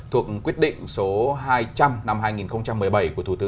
thuộc quyết định số hai trăm linh năm hai nghìn một mươi bảy của thủ tướng